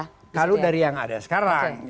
kalau dari yang ada sekarang